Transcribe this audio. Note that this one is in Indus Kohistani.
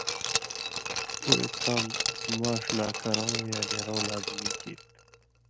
اُو ایک کام ماݜ لا کرؤں یا نېرؤں لازمی کیر تُھو